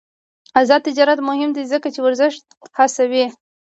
آزاد تجارت مهم دی ځکه چې ورزش هڅوي.